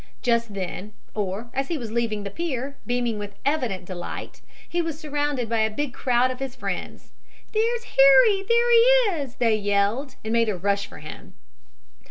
Just then, or as he was leaving the pier, beaming with evident delight, he was surrounded by a big crowd of his friends. "There's Harry! There he is!" they yelled and made a rush for him.